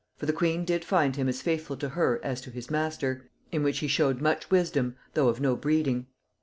For the queen did find him as faithful to her as to his master, in which he showed much wisdom, though of no breeding.